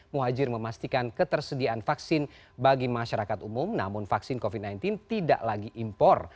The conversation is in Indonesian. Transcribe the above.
muhajir memastikan ketersediaan vaksin bagi masyarakat umum namun vaksin covid sembilan belas tidak lagi impor